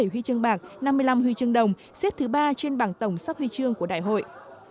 bảy huy chương bạc năm mươi năm huy chương đồng xếp thứ ba trên bảng tổng sắp huy chương của đại hội